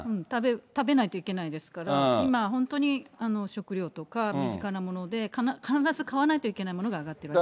食べないといけないですから、今、本当に食料とか身近なもので、必ず買わなきゃいけないものが上がっています。